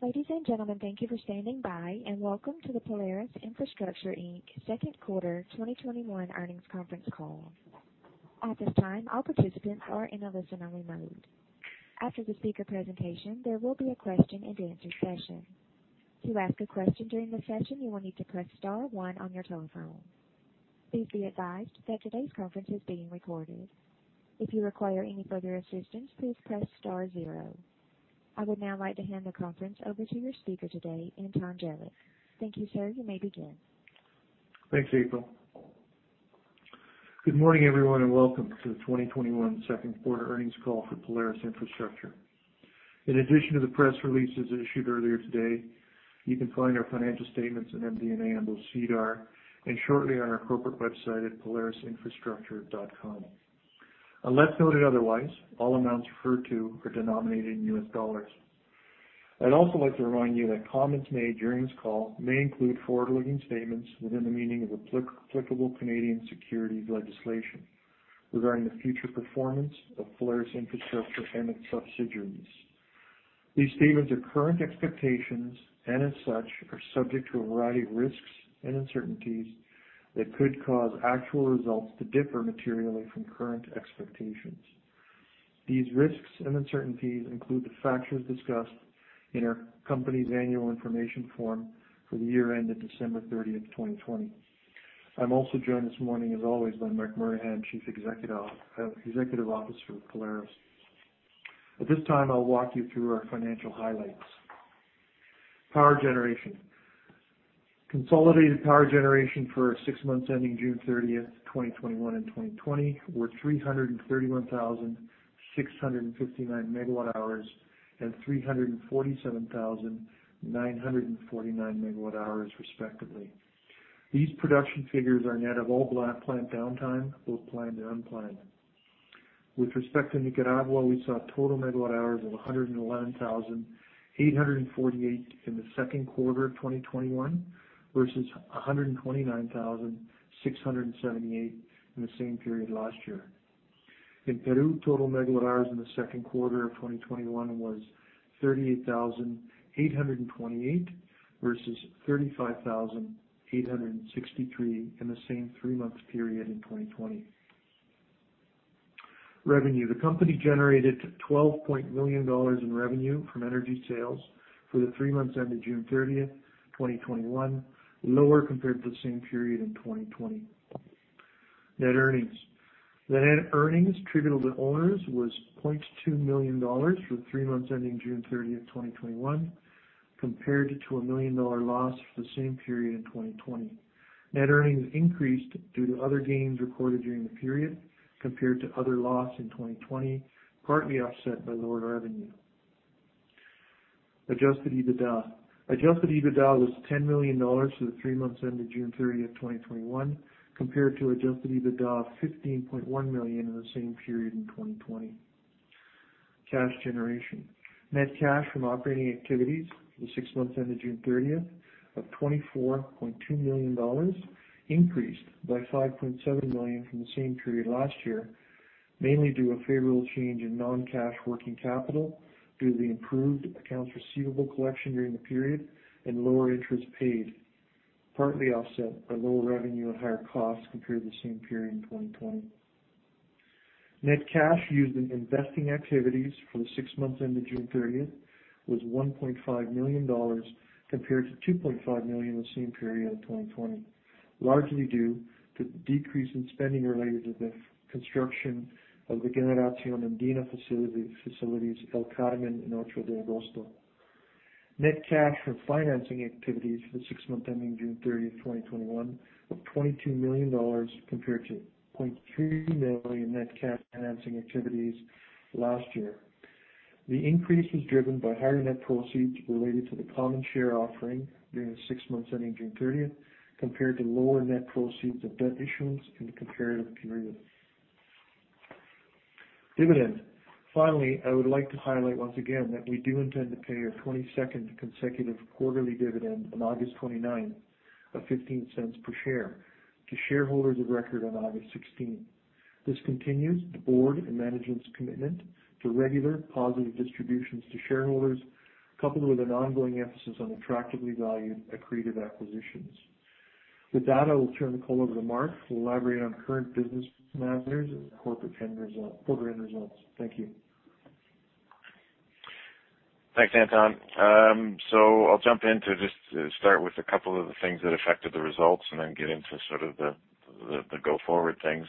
Ladies and gentlemen, thank you for standing by, and welcome to the Polaris Infrastructure Inc. Second Quarter 2021 Earnings Conference Call. At this time, all participants are in a listen-only mode. After the speaker presentation, there will be a question and answer session. To ask a question during the session, you will need to press star one on your telephone. Please be advised that today's conference is being recorded. If you require any further assistance, please press star zero. I would now like to hand the conference over to your speaker today, Anton Jelic. Thank you, sir. You may begin. Thanks, April. Good morning, everyone, and welcome to the 2021 second quarter earnings call for Polaris Infrastructure. In addition to the press releases issued earlier today, you can find our financial statements on MD&A on both SEDAR, and shortly on our corporate website at polarisinfrastructure.com. Unless noted otherwise, all amounts referred to are denominated in US dollars. I'd also like to remind you that comments made during this call may include forward-looking statements within the meaning of applicable Canadian securities legislation regarding the future performance of Polaris Infrastructure and its subsidiaries. These statements are current expectations, and as such, are subject to a variety of risks and uncertainties that could cause actual results to differ materially from current expectations. These risks and uncertainties include the factors discussed in our company's annual information form for the year ended December 30th, 2020. I'm also joined this morning, as always, by Marc Murnaghan, Chief Executive Officer of Polaris. At this time, I'll walk you through our financial highlights. Power generation. Consolidated power generation for six months ending June 30th, 2021 and 2020 were 331,659 MWh and 347,949 MWh respectively. These production figures are net of all plant downtime, both planned and unplanned. With respect to Nicaragua, we saw total megawatt hours of 111,848 in the second quarter of 2021 versus 129,678 in the same period last year. In Peru, total megawatt hours in the second quarter of 2021 was 38,828 versus 35,863 in the same three-month period in 2020. Revenue. The company generated $12 million in revenue from energy sales for the three months ending June 30th, 2021, lower compared to the same period in 2020. Net earnings. Net earnings attributable to owners was $0.2 million for the three months ending June 30, 2021, compared to a $1 million loss for the same period in 2020. Net earnings increased due to other gains recorded during the period, compared to other loss in 2020, partly offset by lower revenue. Adjusted EBITDA. Adjusted EBITDA was $10 million for the three months ending June 30, 2021, compared to adjusted EBITDA of $15.1 million in the same period in 2020. Cash generation. Net cash from operating activities for the six months ending June 30 of $24.2 million, increased by $5.7 million from the same period last year, mainly due a favorable change in non-cash working capital due to the improved accounts receivable collection during the period and lower interest paid, partly offset by lower revenue and higher costs compared to the same period in 2020. Net cash used in investing activities for the six months ending June 30 was $1.5 million compared to $2.5 million in the same period in 2020, largely due to the decrease in spending related to the construction of the Generación Andina facilities El Carmen y Ocho de Agosto. Net cash from financing activities for the six months ending June 30, 2021, of $22 million compared to $0.3 million net cash financing activities last year. The increase was driven by higher net proceeds related to the common share offering during the six months ending June 30, compared to lower net proceeds of debt issuance in the comparative period. Dividend. Finally, I would like to highlight once again that we do intend to pay our 22nd consecutive quarterly dividend on August 29 of $0.15 per share to shareholders of record on August 16. This continues the board and management's commitment to regular positive distributions to shareholders, coupled with an ongoing emphasis on attractively valued accretive acquisitions. With that, I will turn the call over to Marc, who will elaborate on current business matters and corporate end results. Thank you. Thanks, Anton. I'll jump in to just start with a couple of the things that affected the results and then get into sort of the go-forward things.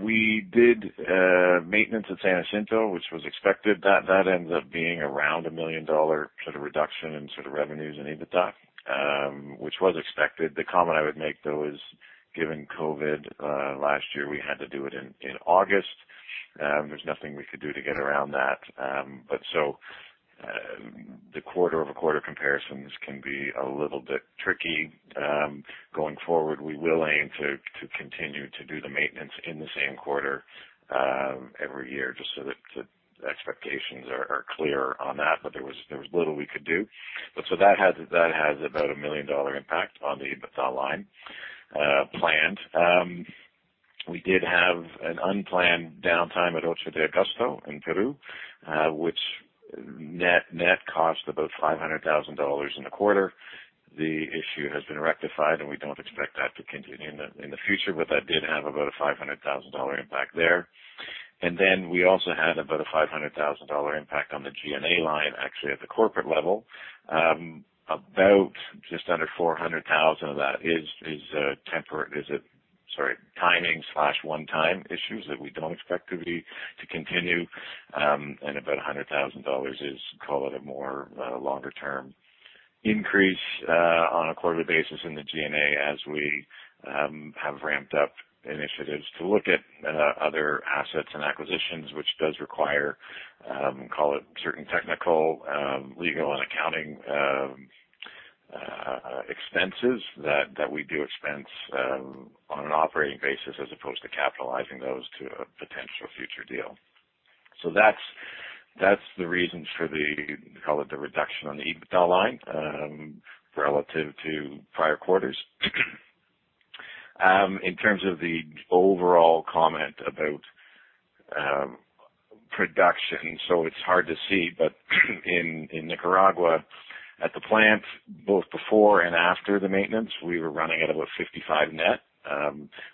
We did maintenance at San Jacinto, which was expected. That ended up being around $1 million sort of reduction in sort of revenues and EBITDA, which was expected. The comment I would make, though, is given COVID, last year, we had to do it in August. There's nothing we could do to get around that. The quarter-over-quarter comparisons can be a little bit tricky. Going forward, we will aim to continue to do the maintenance in the same quarter every year just so that the expectations are clear on that, but there was little we could do. That has about a $1 million impact on the EBITDA line planned. We did have an unplanned downtime at Ocho de Agosto in Peru, which net cost about $500,000 in the quarter. The issue has been rectified, and we don't expect that to continue in the future, but that did have about a $500,000 impact there. We also had about a $500,000 impact on the G&A line, actually, at the corporate level. About just under $400,000 of that is temporary, timing/one-time issues that we don't expect to continue. About $100,000 is, call it, a more longer-term increase on a quarterly basis in the G&A as we have ramped up initiatives to look at other assets and acquisitions, which does require, call it, certain technical, legal, and accounting expenses that we do expense on an operating basis as opposed to capitalizing those to a potential future deal. That's the reason for the, call it, the reduction on the EBITDA line relative to prior quarters. In terms of the overall comment about production, it's hard to see, but in Nicaragua at the plant, both before and after the maintenance, we were running at about 55 net,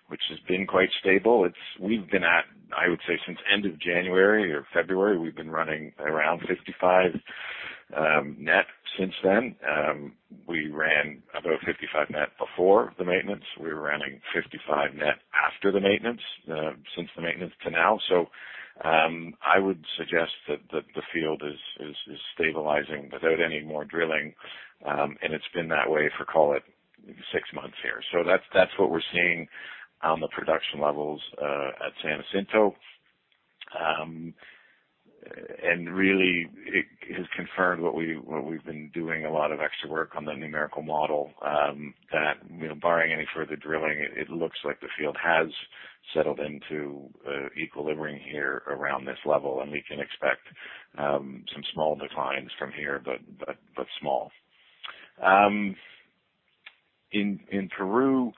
which has been quite stable. We've been at, I would say, since end of January or February, we've been running around 55 net since then. We ran about 55 net before the maintenance. We were running 55 net after the maintenance, since the maintenance to now. I would suggest that the field is stabilizing without any more drilling. It's been that way for, call it, six months here. That's what we're seeing on the production levels at San Jacinto. Really, it has confirmed what we've been doing a lot of extra work on the numerical model, that barring any further drilling, it looks like the field has settled into equilibrium here around this level, and we can expect some small declines from here, but small. In Peru,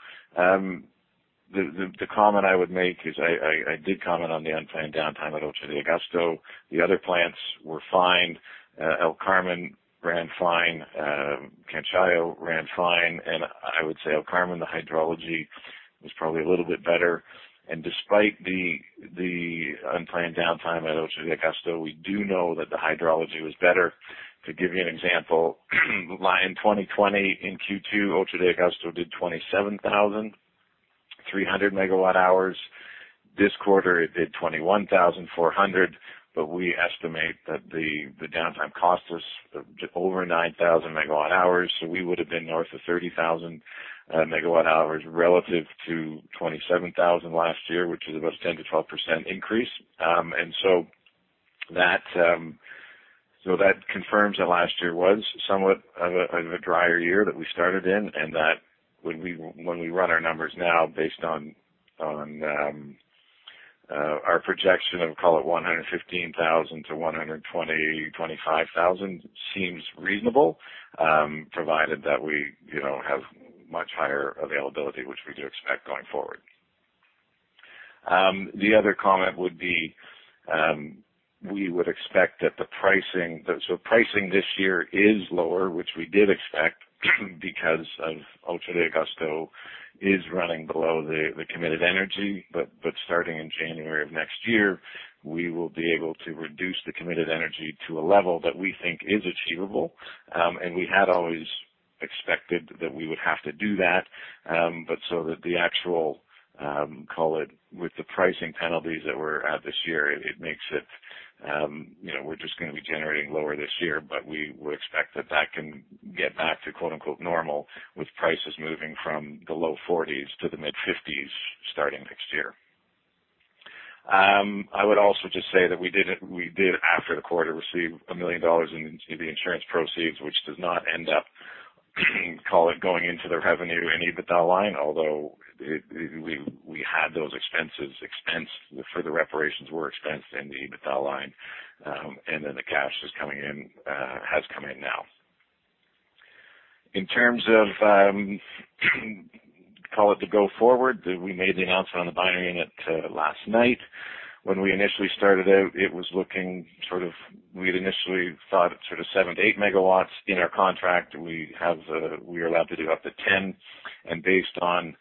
the comment I would make is, I did comment on the unplanned downtime at Ocho de Agosto. The other plants were fine. El Carmen ran fine. Canchayllo ran fine. I would say El Carmen, the hydrology was probably a little bit better. Despite the unplanned downtime at Ocho de Agosto, we do know that the hydrology was better. To give you an example, in 2020, in Q2, Ocho de Agosto did 27,300 MWh. This quarter, it did 21,400, but we estimate that the downtime cost us over 9,000 MWh. We would've been north of 30,000 MWh relative to 27,000 last year, which is about 10%-12% increase. That confirms that last year was somewhat of a drier year that we started in, and that when we run our numbers now based on our projection of, call it, 115,000 to 120,000-125,000 seems reasonable, provided that we have much higher availability, which we do expect going forward. The other comment would be, we would expect that pricing this year is lower, which we did expect because of Ocho de Agosto is running below the committed energy. Starting in January of next year, we will be able to reduce the committed energy to a level that we think is achievable. We had always expected that we would have to do that. The actual, call it, with the pricing penalties that we're at this year, it makes it, we're just going to be generating lower this year, but we expect that that can get back to "normal" with prices moving from the low $40s to the mid-$50s starting next year. I would also just say that we did, after the quarter, receive $1 million in the insurance proceeds, which does not end up call it, going into the revenue and EBITDA line, although we had those expenses expensed, for the reparations were expensed in the EBITDA line. Then the cash has come in now. In terms of, call it, the go forward, we made the announcement on the binary unit last night. When we initially started out, it was looking sort of, we had initially thought sort of 7 to 8 MW in our contract. We are allowed to do up to 10. Based on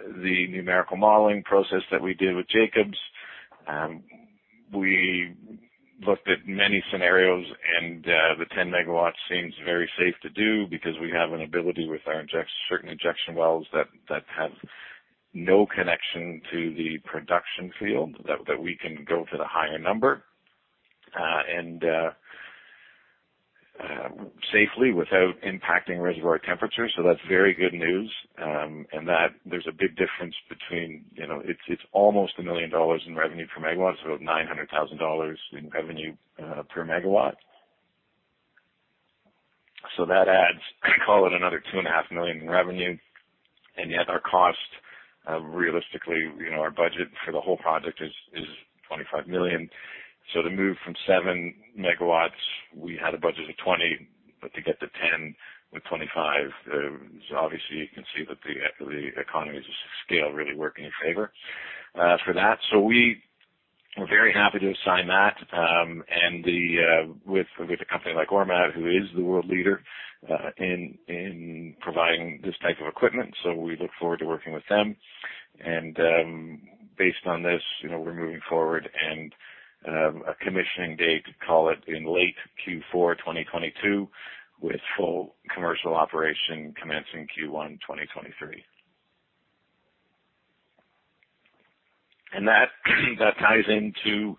the numerical modeling process that we did with Jacobs, we looked at many scenarios, and the 10 MW seems very safe to do because we have an ability with our certain injection wells that have no connection to the production field that we can go to the higher number, and safely without impacting reservoir temperature. So that's very good news. That there's a big difference between, it's almost $1 million in revenue per megawatt, so about $900,000 in revenue per megawatt. So that adds, call it, another $2.5 million in revenue. Yet, realistically, our budget for the whole project is $25 million. So to move from seven megawatts, we had a budget of $20 million, but to get to 10 with $25 million, obviously you can see that the economies of scale really work in your favor for that. We were very happy to sign that, and with a company like Ormat, who is the world leader in providing this type of equipment, we look forward to working with them. Based on this, we're moving forward and a commissioning date, call it in late Q4 2022, with full commercial operation commencing Q1 2023. That ties into,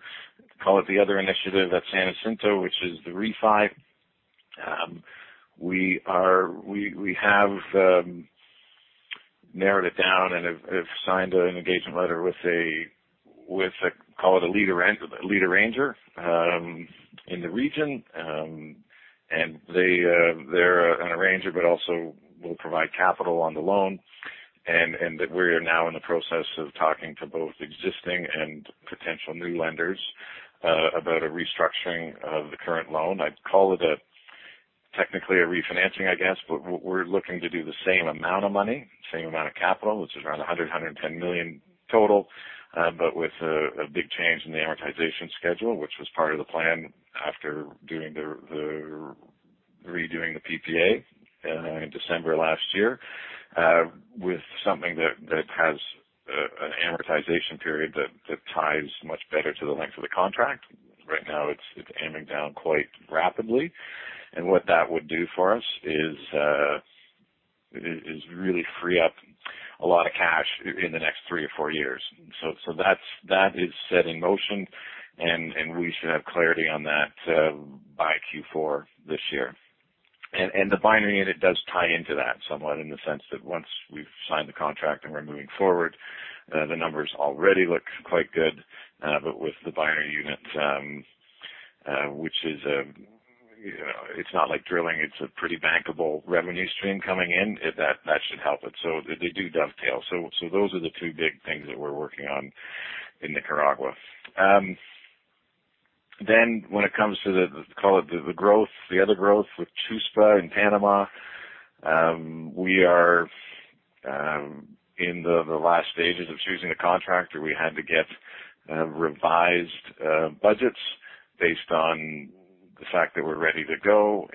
call it the other initiative at San Jacinto, which is the refi. We have narrowed it down and have signed an engagement letter with, call it a lead arranger in the region. They're an arranger, but also will provide capital on the loan. That we are now in the process of talking to both existing and potential new lenders about a restructuring of the current loan. I'd call it technically a refinancing, I guess. We're looking to do the same amount of money, same amount of capital, which is around $100 million-$110 million total. With a big change in the amortization schedule, which was part of the plan after redoing the PPA in December last year, with something that has an amortization period that ties much better to the length of the contract. Right now, it's aiming down quite rapidly. What that would do for us is really free up a lot of cash in the next three or four years. That is set in motion, and we should have clarity on that by Q4 this year. The binary unit does tie into that somewhat in the sense that once we've signed the contract and we're moving forward, the numbers already look quite good. With the binary unit, it's not like drilling, it's a pretty bankable revenue stream coming in. That should help it. They do dovetail. Those are the two big things that we're working on in Nicaragua. When it comes to the growth, the other growth with Chuspa in Panama, we are in the last stages of choosing a contractor. We had to get revised budgets based on the fact that we're ready to go.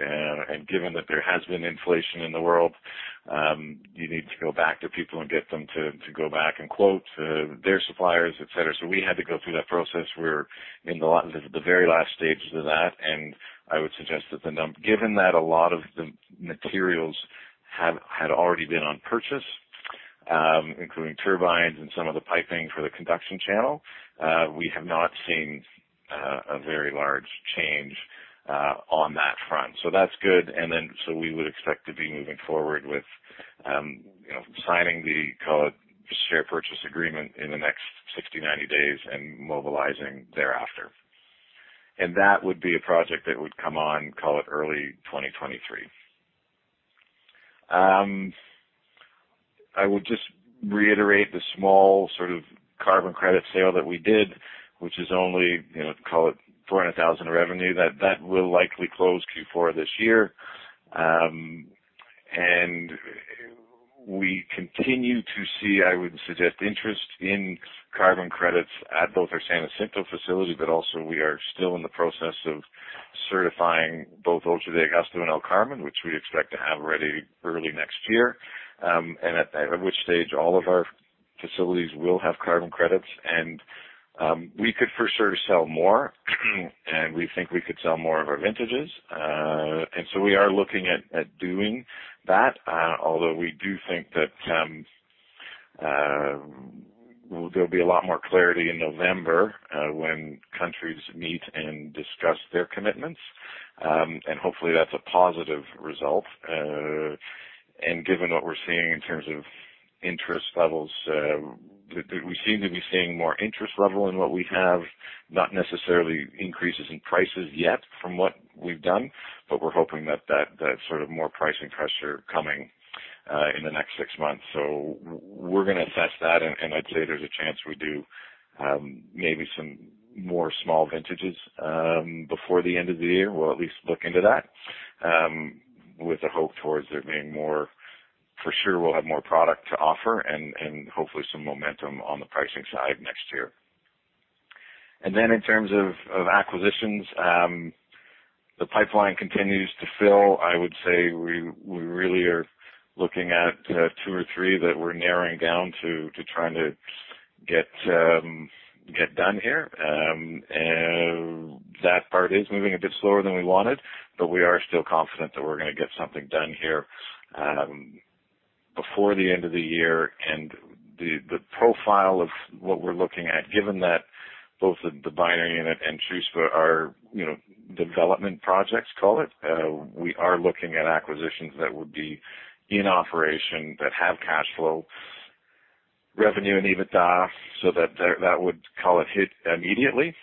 Given that there has been inflation in the world, you need to go back to people and get them to go back and quote their suppliers, et cetera. We had to go through that process. We're in the very last stages of that. I would suggest that given that a lot of the materials had already been on purchase, including turbines and some of the piping for the conduction channel, we have not seen a very large change on that front. That's good. We would expect to be moving forward with signing the, call it, share purchase agreement in the next 60, 90 days and mobilizing thereafter. That would be a project that would come on, call it early 2023. I would just reiterate the small carbon credit sale that we did, which is only, call it $400,000 of revenue. That will likely close Q4 this year. We continue to see, I would suggest, interest in carbon credits at both our San Jacinto facility, but also we are still in the process of certifying both Ocho de Agosto and El Carmen, which we expect to have ready early next year. At which stage all of our facilities will have carbon credits. We could for sure sell more, and we think we could sell more of our vintages. So we are looking at doing that. Although we do think that there'll be a lot more clarity in November when countries meet and discuss their commitments. Hopefully, that's a positive result. Given what we're seeing in terms of interest levels, we seem to be seeing more interest level in what we have, not necessarily increases in prices yet from what we've done, but we're hoping that sort of more pricing pressure coming in the next six months. We're going to assess that, and I'd say there's a chance we do maybe some more small vintages before the end of the year. We'll at least look into that with a hope towards there being more. For sure, we'll have more product to offer and hopefully some momentum on the pricing side next year. Then in terms of acquisitions, the pipeline continues to fill. I would say we really are looking at two or three that we're narrowing down to trying to get done here. That part is moving a bit slower than we wanted, but we are still confident that we're going to get something done here before the end of the year. The profile of what we're looking at, given that both the binary unit and Chuspa are development projects, call it. We are looking at acquisitions that would be in operation, that have cash flow, revenue, and EBITDA, that would, call it, hit immediately.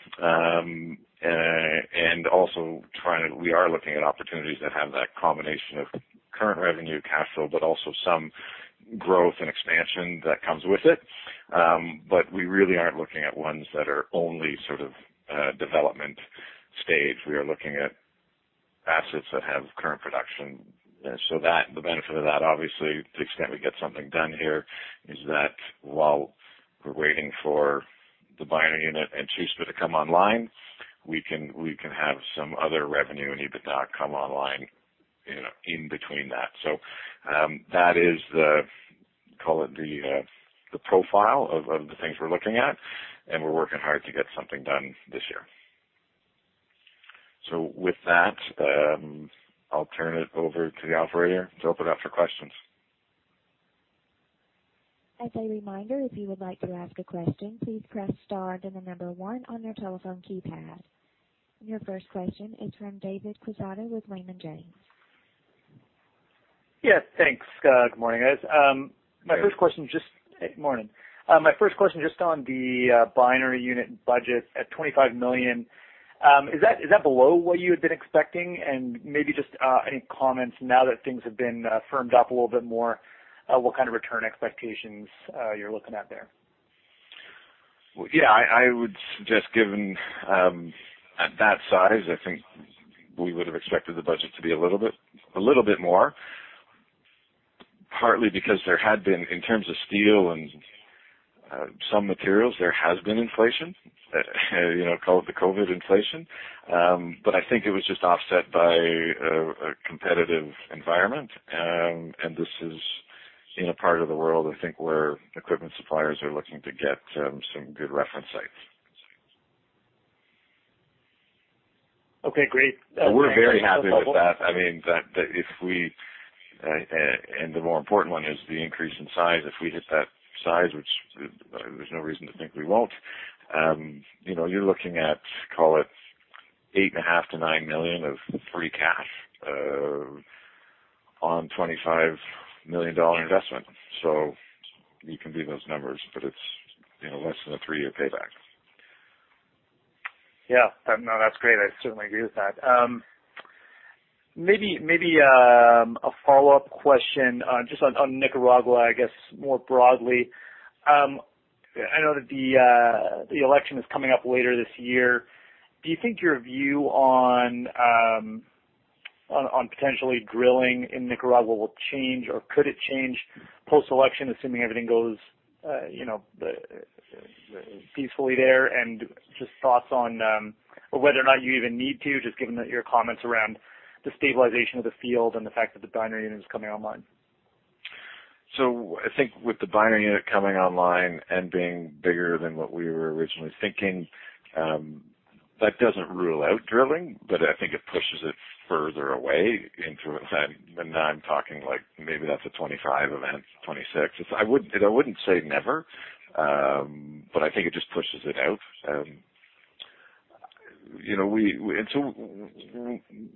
We are looking at opportunities that have that combination of current revenue cash flow, but also some growth and expansion that comes with it. We really aren't looking at ones that are only development stage. We are looking at assets that have current production. The benefit of that, obviously, to the extent we get something done here, is that while we're waiting for the binary unit in Chuspa to come online, we can have some other revenue and EBITDA come online in between that. That is the, call it, the profile of the things we're looking at, and we're working hard to get something done this year. With that, I'll turn it over to the operator to open up for questions. As a reminder, if you would like to ask a question, please press star, then the number one on your telephone keypad. Your first question is from David Quezada with Raymond James. Yes. Thanks. Good morning, guys. Hey. Morning. My first question, just on the binary unit budget at $25 million. Is that below what you had been expecting? Maybe just any comments now that things have been firmed up a little bit more, what kind of return expectations you're looking at there? Yeah. I would suggest, given that size, I think we would've expected the budget to be a little bit more, partly because there had been, in terms of steel and some materials, there has been inflation, call it the COVID inflation. I think it was just offset by a competitive environment. This is in a part of the world, I think, where equipment suppliers are looking to get some good reference sites. Okay, great. We're very happy with that. The more important one is the increase in size. If we hit that size, which there's no reason to think we won't, you're looking at, call it, $8.5 million-$9 million of free cash on a $25 million investment. You can do those numbers, but it's less than a three-year payback. Yeah. No, that's great. I certainly agree with that. A follow-up question, just on Nicaragua, I guess, more broadly. I know that the election is coming up later this year. Do you think your view on potentially drilling in Nicaragua will change, or could it change post-election, assuming everything goes peacefully there? Just thoughts on whether or not you even need to, just given your comments around the stabilization of the field and the fact that the binary unit is coming online. I think with the binary unit coming online and being bigger than what we were originally thinking, that doesn't rule out drilling, but I think it pushes it further away into, and I'm talking like maybe that's a 2025 event, 2026. I wouldn't say never, but I think it just pushes it out.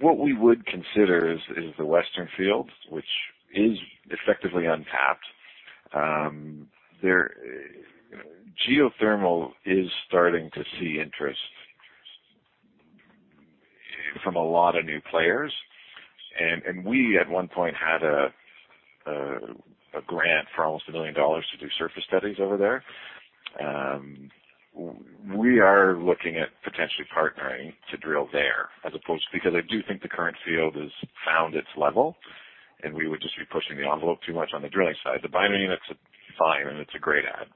What we would consider is the western field, which is effectively untapped. Geothermal is starting to see interest from a lot of new players, and we at one point had a grant for almost $1 million to do surface studies over there. We are looking at potentially partnering to drill there, as opposed to, because I do think the current field has found its level, and we would just be pushing the envelope too much on the drilling side. The binary unit's fine and it's a great add.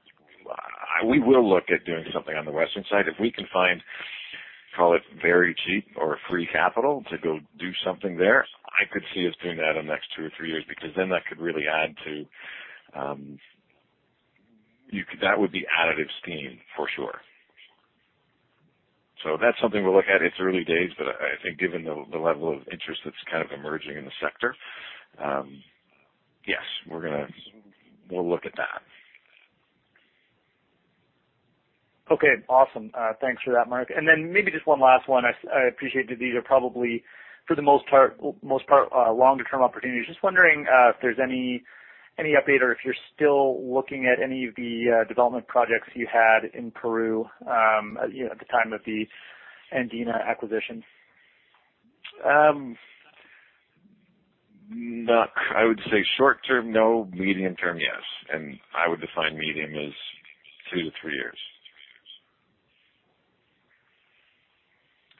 We will look at doing something on the western side. If we can find, call it very cheap or free capital to go do something there, I could see us doing that in the next two or three years, because then that would be additive steam, for sure. That's something we'll look at. It's early days. I think given the level of interest that's kind of emerging in the sector, yes, we'll look at that. Okay. Awesome. Thanks for that, Marc. Then maybe just one last one. I appreciate that these are probably, for the most part, longer-term opportunities. Just wondering if there's any update or if you're still looking at any of the development projects you had in Peru, at the time of the Andina acquisition. I would say short-term, no. Medium-term, yes. I would define medium as two to three years.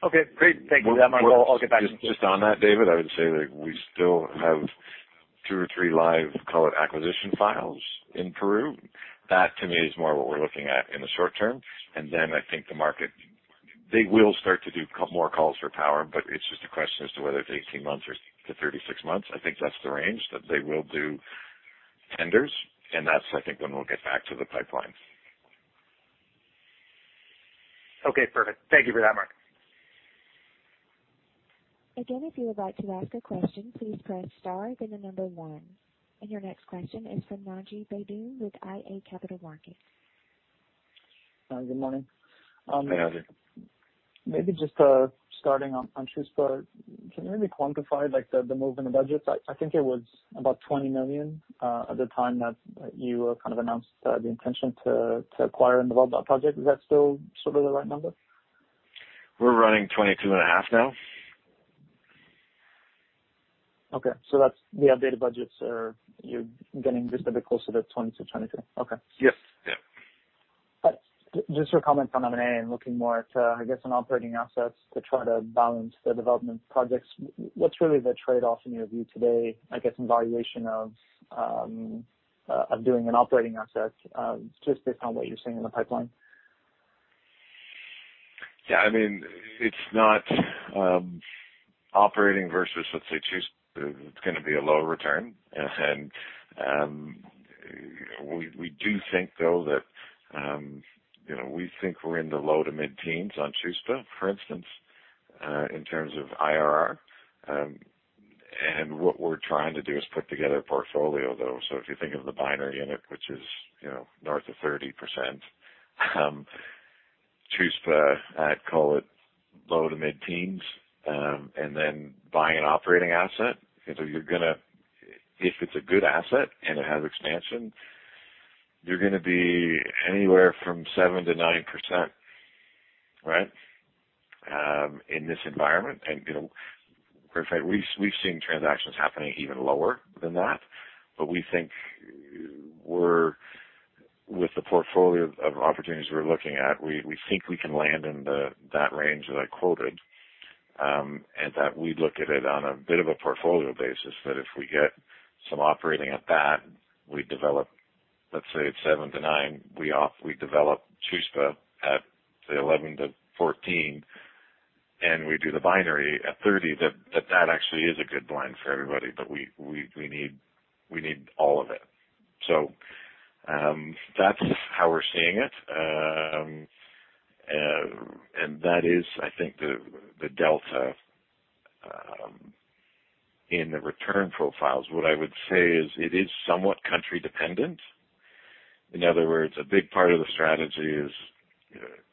Okay, great. Thank you for that, Marc. I'll get back in queue. Just on that, David, I would say that we still have two or three live, call it, acquisition files in Peru. That to me is more what we're looking at in the short term. I think the market, they will start to do more calls for power, but it's just a question as to whether it's 18 months or to 36 months. I think that's the range that they will do tenders, and that's, I think, when we'll get back to the pipeline. Okay, perfect. Thank you for that, Marc. Your next question is from Naji Baydoun with iA Capital Markets. Good morning. Hey, Naji. Maybe just starting on Chuspa. Can you maybe quantify the move in the budgets? I think it was about $20 million at the time that you announced the intention to acquire and develop that project. Is that still sort of the right number? We're running $22.5 now. Okay. The updated budgets, you're getting just a bit closer to 2022, 2023. Okay. Yes. Just a comment on M&A and looking more at, I guess, on operating assets to try to balance the development projects. What's really the trade-off, in your view today, I guess, in valuation of doing an operating asset, just based on what you're seeing in the pipeline? Yeah. It's not operating versus, let's say, Chuspa. It's going to be a low return. We do think, though, that we think we're in the low to mid-teens on Chuspa, for instance, in terms of IRR. What we're trying to do is put together a portfolio, though. If you think of the binary unit, which is north of 30%, Chuspa at, call it, low to mid-teens, and then buying an operating asset, if it's a good asset and it has expansion, you're going to be anywhere from 7%-9%. Right? In this environment, and quite frankly, we've seen transactions happening even lower than that.. With the portfolio of opportunities we're looking at, we think we can land in that range that I quoted, and that we look at it on a bit of a portfolio basis, that if we get some operating at that, we develop, let's say it's 7%-9%, we develop Chuspa at 11%-14%, and we do the binary unit at 30%, that actually is a good blend for everybody. We need all of it. That's how we're seeing it. That is, I think, the delta in the return profiles. What I would say is it is somewhat country dependent. In other words, a big part of the strategy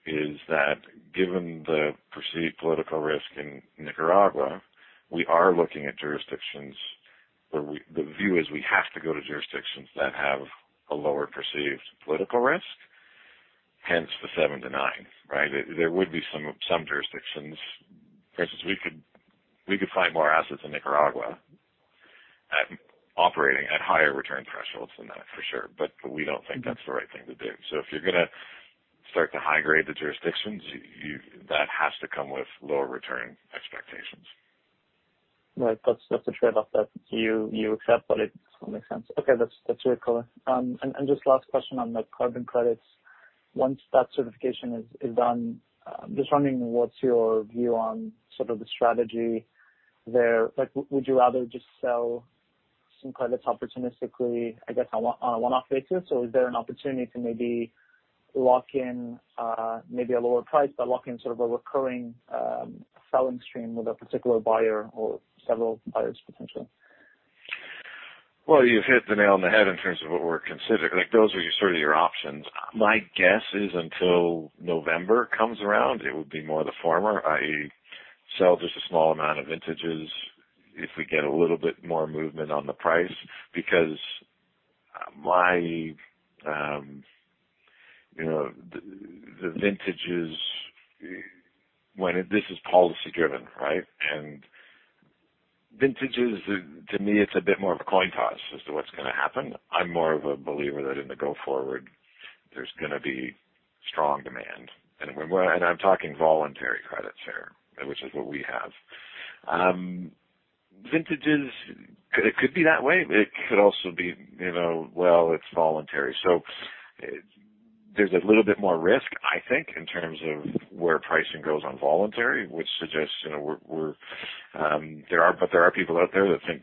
is that given the perceived political risk in Nicaragua, we are looking at jurisdictions where the view is we have to go to jurisdictions that have a lower perceived political risk, hence the seven to nine, right? There would be some jurisdictions. For instance, we could find more assets in Nicaragua operating at higher return thresholds than that, for sure. We don't think that's the right thing to do. If you're going to start to high-grade the jurisdictions, that has to come with lower return expectations. Right. That's the trade-off that you accept, but it makes sense. Okay. That's really cool. Just last question on the carbon credits. Once that certification is done, just wondering what's your view on sort of the strategy there? Would you rather just sell some credits opportunistically, I guess, on a one-off basis? Or is there an opportunity to maybe lock in maybe a lower price, but lock in sort of a recurring selling stream with a particular buyer or several buyers potentially? Well, you've hit the nail on the head in terms of what we're considering. Those are sort of your options. My guess is until November comes around, it would be more the former, i.e., sell just a small amount of vintages if we get a little bit more movement on the price. The vintages, this is policy driven, right? Vintages, to me, it's a bit more of a coin toss as to what's going to happen. I'm more of a believer that in the go forward, there's going to be strong demand. I'm talking voluntary credits here, which is what we have. Vintages, it could be that way. It could also be, well, it's voluntary. There's a little bit more risk, I think, in terms of where pricing goes on voluntary, but there are people out there that think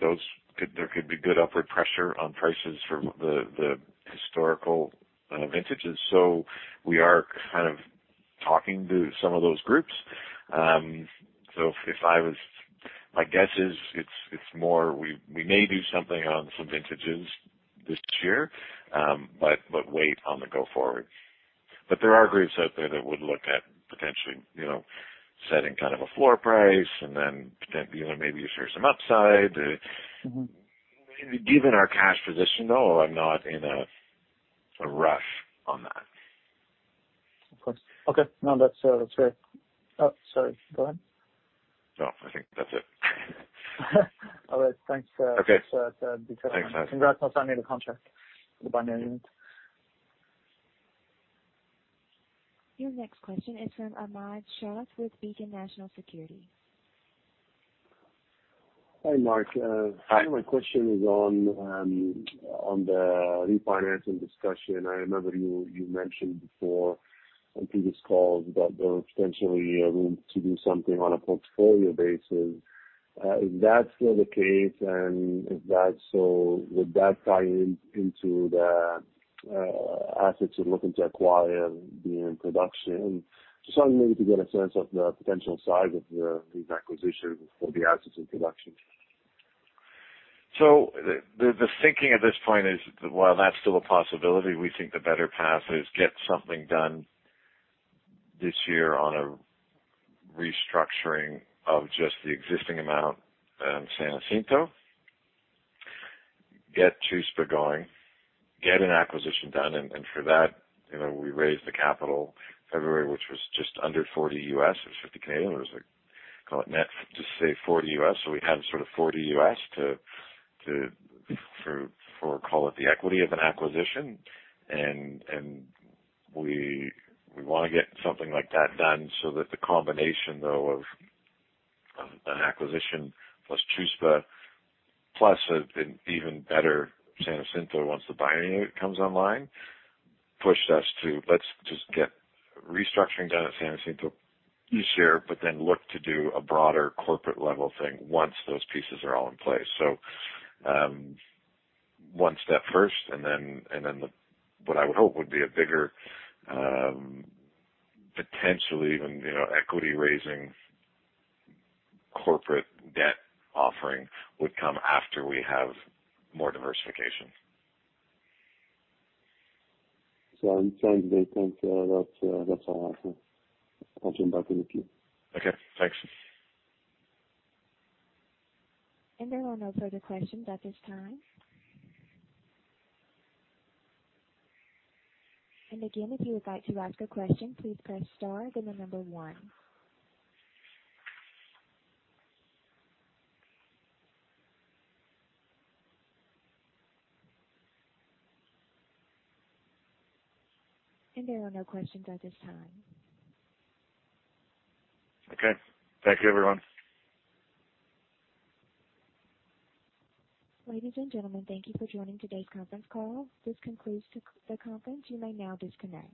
there could be good upward pressure on prices for the historical vintages. We are kind of talking to some of those groups. My guess is it's more we may do something on some vintages this year. Wait on the go forward. There are groups out there that would look at potentially setting kind of a floor price and then maybe you share some upside. Given our cash position, though, I'm not in a rush on that. Of course. Okay. No, that's great. Oh, sorry. Go ahead. No, I think that's it. All right. Thanks. Okay. Thanks. Congrats on signing the contract for the binary unit. Your next question is from Ahmad Shaath with Beacon National Securities. Hi, Marc. Hi. My question is on the refinancing discussion. I remember you mentioned before on previous calls that there was potentially room to do something on a portfolio basis. Is that still the case? If that's so, would that tie into the assets you're looking to acquire being in production? Just trying maybe to get a sense of the potential size of these acquisitions for the assets in production. The thinking at this point is, while that's still a possibility, we think the better path is get something done this year on a restructuring of just the existing amount, San Jacinto, get Chuspa going, get an acquisition done. For that, we raised the capital February, which was just under $40 USD. It was 50,000, call it net, just say $40 USD, so we had sort of $40 USD for, call it, the equity of an acquisition. We want to get something like that done so that the combination, though, of an acquisition plus Chuspa, plus an even better San Jacinto once the binary unit comes online, pushed us to, let's just get restructuring done at San Jacinto this year, look to do a broader corporate level thing once those pieces are all in place. One step first, and then what I would hope would be a bigger, potentially even equity raising corporate debt offering would come after we have more diversification. Sounds good. Thank you. That's all I have. I'll turn it back over to you. Okay. Thanks. There are no further questions at this time. Again, if you would like to ask a question, please press star, then the number one. There are no questions at this time. Okay. Thank you, everyone. Ladies and gentlemen, thank you for joining today's conference call. This concludes the conference. You may now disconnect.